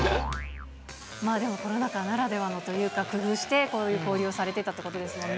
でもコロナ禍ならではのというか、工夫してこういう交流をされてたということですもんね。